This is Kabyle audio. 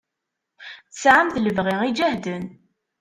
Tesɛamt lebɣi ijehden.